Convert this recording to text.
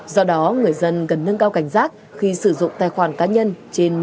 do đó người dân cần nâng cao cảnh giác khi sử dụng tài khoản cá nhân trên mạng